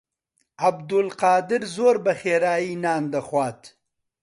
عەبدولقادر زۆر بەخێرایی نان دەخوات.